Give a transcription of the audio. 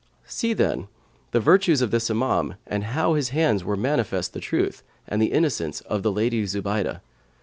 See, then the virtues of this Imαm and how his hands were manifest the truth and the innocence of the Lady Zubaydah.